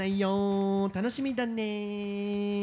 楽しみだね！